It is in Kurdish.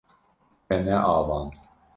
Te neavand.